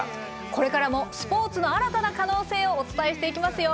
これからもスポーツの新たな可能性をお伝えしていきますよ。